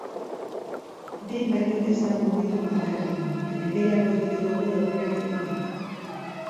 Behin baino ez da mugitu markagailua, baina gehiago egiteko gol-aukerak egon dira.